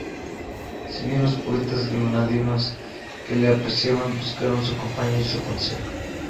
Si bien, los poetas granadinos que la apreciaban, buscaron su compañía y su consejo.